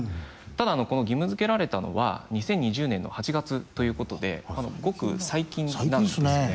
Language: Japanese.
ただこの義務づけられたのは２０２０年の８月ということでごく最近なんですね。